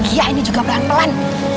iya ini juga pelan pelan